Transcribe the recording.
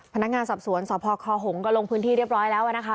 พนักงานสอบสวนสพคหงก็ลงพื้นที่เรียบร้อยแล้วนะคะ